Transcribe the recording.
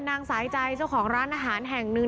นางสายใจเจ้าของร้านอาหารแห่งหนึ่ง